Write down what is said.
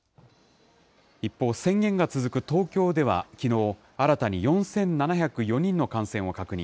一方、宣言が続く東京では、きのう、新たに４７０４人の感染を確認。